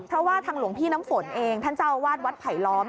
เพราะว่าทางหลวงพี่น้ำฝนเองท่านเจ้าอาวาสวัดไผลล้อม